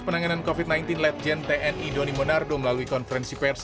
penanganan covid sembilan belas ledjen tni doni monardo melalui konferensi pers